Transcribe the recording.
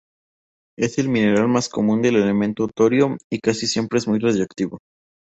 Es el mineral más común del elemento torio y casi siempre es muy radiactivo.